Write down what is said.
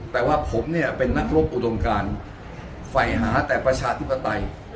แต่ว่าผมเนี่ยเป็นนักรบอุดมการฝ่ายหาแต่ประชาธิปไตย